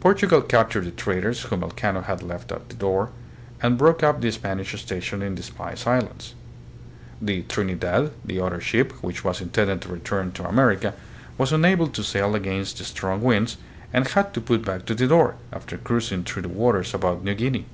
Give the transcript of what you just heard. Portugal captured the traders whom Elcano had left at Tidor, and broke up the Spanish station in the Spice Islands. The " Trinidad," the other ship, which was intended to return to America, was unable to sail against the strong winds, and had to put back to Tidor, after cruising through the waters about New Guinea.